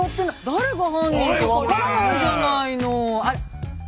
誰が犯人か分からないじゃないの。